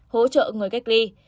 hỗ trợ người cách ly